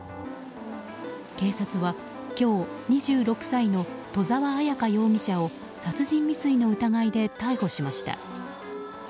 警察は今日、２６歳の戸沢彩香容疑者を殺人未遂の疑いで逮捕しました。